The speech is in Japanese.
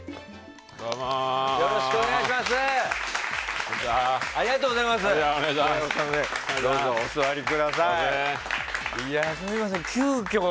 よろしくお願いします。